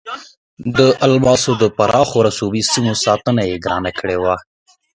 د الماسو پراخو رسوبي سیمو ساتنه یې ګرانه کړې وه.